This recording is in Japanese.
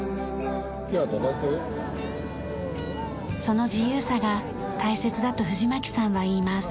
その自由さが大切だと藤巻さんは言います。